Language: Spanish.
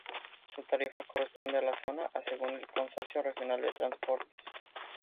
Su tarifa corresponde a la zona A según el Consorcio Regional de Transportes.